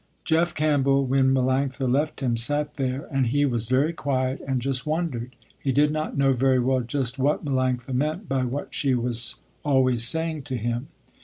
Jeff Campbell, when Melanctha left him, sat there and he was very quiet and just wondered. He did not know very well just what Melanctha meant by what she was always saying to him.